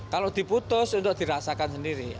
kalau diputus untuk dirasakan sendiri